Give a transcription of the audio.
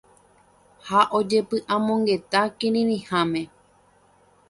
Ha ojepy'amongeta kirirĩháme.